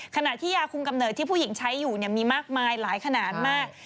ขณะที่ยาคุมกำเนิดที่ผู้หญิงใช้อยู่มีมากมายหลายขนาดมาก